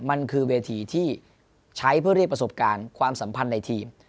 มันคือเวทีที่ใช้เพื่อเรียกประสบการณ์ความสัมพันธ์ในทีม